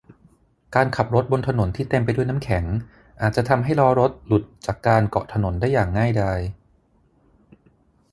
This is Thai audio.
การขับรถบนถนนที่เต็มไปด้วยน้ำแข็งอาจจะทำให้ล้อรถหลุดจากการเกาะถนนได้อย่างง่ายดาย